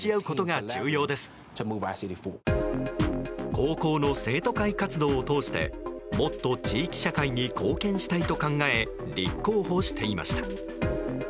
高校の生徒会活動を通してもっと地域社会に貢献したいと考え立候補していました。